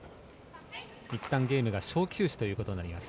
いったんゲームが小休止となります。